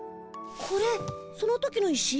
これその時の石？